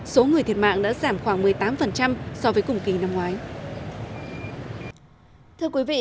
số người thiệt mạng đã giảm khoảng một mươi tám so với cùng kỳ năm ngoái